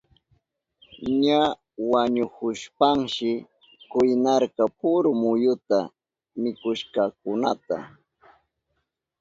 Ña wañuhushpanshi kiwnarka puru muyuta mikushkankunata.